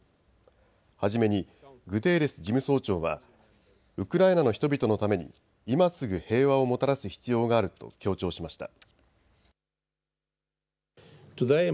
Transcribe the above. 初めにグテーレス事務総長はウクライナの人々のために今すぐ平和をもたらす必要があると強調しました。